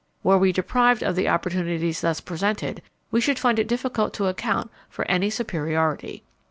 Were we deprived of the opportunities thus presented, we should find it difficult to account for any superiority.